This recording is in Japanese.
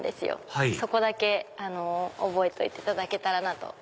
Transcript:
はいそこだけ覚えといていただけたら。